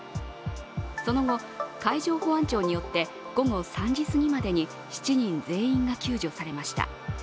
その後、海上保安庁によって午後３時すぎまでに７人全員が救助されました。